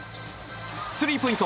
スリーポイント！